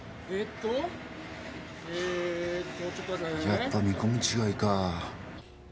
やっぱ見込み違いか。